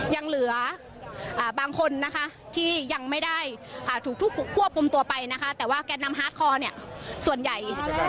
ยังเหลือบางคนที่ยังไม่ได้ถูกควบควบควมตัวไปแต่ว่าแก่นำฮาร์ดคอร์ส่วนใหญ่